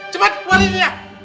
cepat kembaliin dia